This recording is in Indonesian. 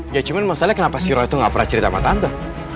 ya cuma masalahnya kenapa siro itu gak pernah cerita sama tante